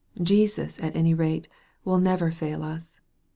Jesus, at any rate, will never fail us.